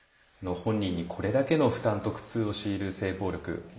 本人にこれだけの負担と苦痛を強いる性暴力。